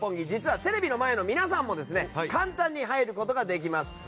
実は、テレビの前の皆さんも簡単に入ることができます。